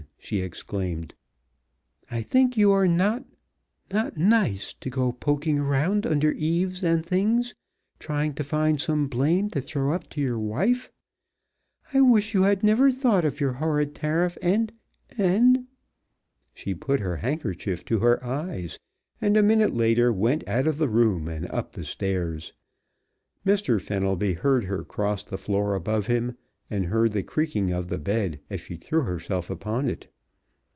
she exclaimed. "I think you are not not nice to go poking around under eaves and things, trying to find some blame to throw up to your wife! I wish you had never thought of your horrid tariff, and and " She put her handkerchief to her eyes, and a minute later went out of the room and up the stairs. Mr. Fenelby heard her cross the floor above him, and heard the creaking of the bed as she threw herself upon it.